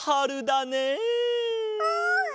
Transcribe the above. うん！